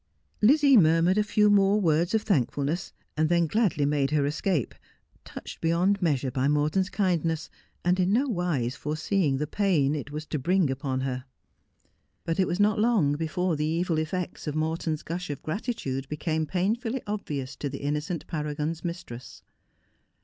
Lizzie murmured a few more words of thankfulness, and then gladly made her escape, touched beyond measure by Mor ton's kindness, and in no wise foreseeing the pain it was to bring upon her. Lut it was not long before the evil effects of Morton's gush of gratitude became painfully obvious to the innocent Paragon's mistress.